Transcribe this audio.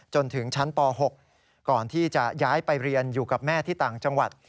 จนถึงชั้นป๖ก่อนที่จะย้ายไปเรียนอยู่กับแม่ที่ต่างจังหวัด